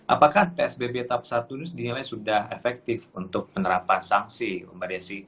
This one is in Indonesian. apakah psbb tahap satu ini dinilai sudah efektif untuk penerapan sanksi mbak desi